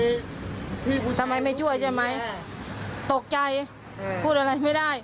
พี่ผู้ชายทำไมไม่ช่วยใช่ไหมตกใจ